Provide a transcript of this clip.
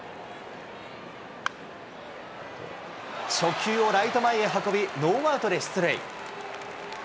初球をライト前へ運び、ノーアウトで出塁。